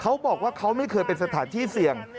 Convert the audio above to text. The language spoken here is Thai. เขาบอกว่าเขาไม่เคยเป็นสถานที่เสี่ยง